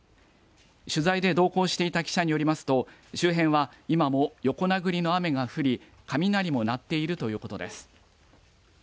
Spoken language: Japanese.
取材で同行していた記者によりますと周辺は今も横殴りの雨が降り雷も鳴っているということです。